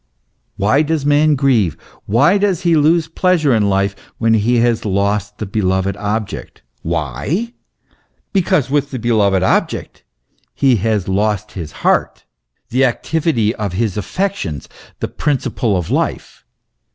Why does man grieve why does he lose pleasure in life, when he has lost the beloved object ? Why ? because with the beloved object he has lost his heart, the activity of his affections, the principle of life.